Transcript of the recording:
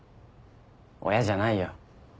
親じゃないよ。